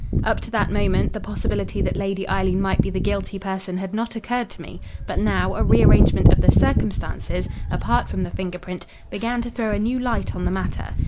"Up to that moment, the possibility that Lady Eileen might be the guilty person had not occurred to me. But now a rearrangement of the circumstances, apart from the finger print, began to throw a new light on the matter.